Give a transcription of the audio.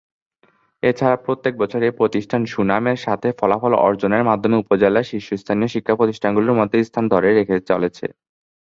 এছাড়া প্রত্যেক বছর এ প্রতিষ্ঠান সুনামের সাথে ফলাফল অর্জনের মাধ্যমে উপজেলার শীর্ষস্থানীয় শিক্ষা প্রতিষ্ঠানগুলোর মধ্যে স্থান ধরে রেখে চলেছে।